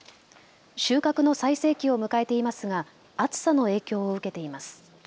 収穫の最盛期を迎えていますが暑さの影響を受けています。